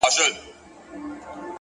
ښه نیت ښه پایله راوړي